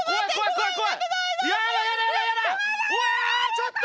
ちょっと！